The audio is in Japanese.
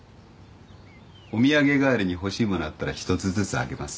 お土産代わりに欲しい物あったら一つずつあげます。